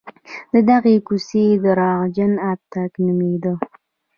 د دغې کوڅې درواغجن اټک نومېده.